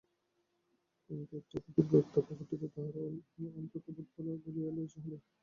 কিন্তু একটিতে তীব্র উত্তাপ ও অপরটিতে তাহার অত্যন্তাভাব বলিলেই হয়।